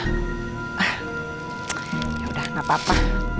yaudah gak apa apa